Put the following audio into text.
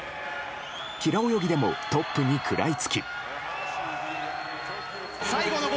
平泳ぎでもトップに食らいつき。